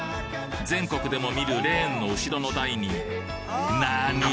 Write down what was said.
全国でも見るレーンの後ろの台になに？